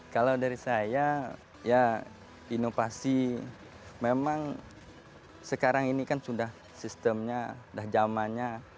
kalau dari saya ya inovasi memang sekarang ini kan sudah sistemnya sudah zamannya